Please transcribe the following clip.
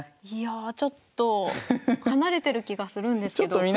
いやあちょっと離れてる気がするんですけど。